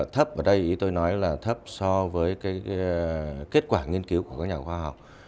thấp ở đây ý tôi nói là thấp so với kết quả nghiên cứu của các nhà khoa học